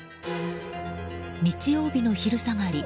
日曜日の昼下がり